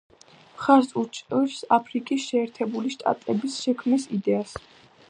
მხარს უჭერს აფრიკის შეერთებული შტატების შექმნის იდეას.